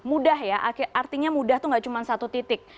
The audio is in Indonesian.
mudah ya artinya mudah itu nggak cuma satu titik